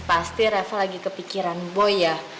pasti reva lagi kepikiran boy ya